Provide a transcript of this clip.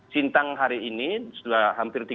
sintang hari ini sudah hampir